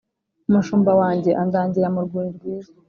umushumba wanjye andagira mu rwuri rwiza